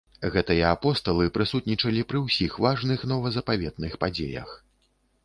Гэтыя апосталы прысутнічалі пры ўсіх важных новазапаветных падзеях.